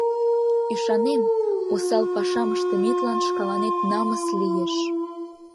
Ӱшанем, осал пашам ыштыметлан шкаланет намыс лиеш.